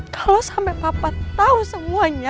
kalau sampai papa tahu semuanya